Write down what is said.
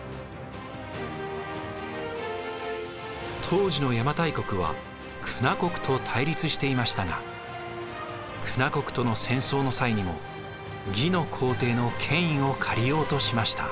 当時の邪馬台国は狗奴国と対立していましたが狗奴国との戦争の際にも魏の皇帝の権威を借りようとしました。